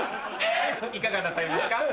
いかがなさいますか？